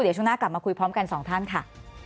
เดี๋ยวช่วงหน้ากลับมาคุยพร้อมกันสองท่านค่ะ